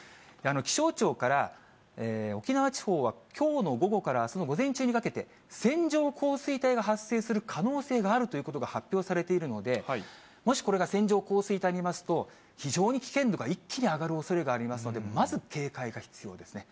気象庁から、沖縄地方はきょうの午後からあすの午前中にかけて、線状降水帯が発生する可能性があるということが発表されているので、もしこれが線状降水帯になりますと、非常に危険度が一気に上がるおそれがありますので、まず警戒が必要ですね。